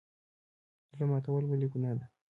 زړه ماتول ولې ګناه ده؟